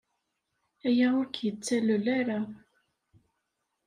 Aya ur k-yettalel ara.